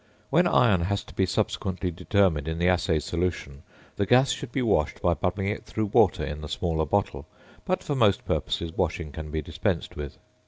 When iron has to be subsequently determined in the assay solution, the gas should be washed by bubbling it through water in the smaller bottle; but for most purposes washing can be dispensed with.